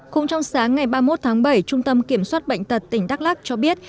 cũng trong sáng ngày ba mươi một tháng bảy trung tâm kiểm soát bệnh tật tỉnh đắk lắc cho biết